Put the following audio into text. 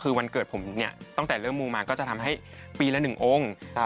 คือวันเกิดผมเนี่ยตั้งแต่เริ่มมูมาก็จะทำให้ปีละ๑องค์